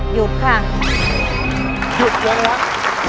หยุดเลยนะครับ